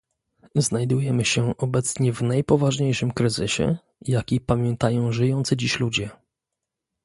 Znajdujemy się obecnie w najpoważniejszym kryzysie, jaki pamiętają żyjący dziś ludzie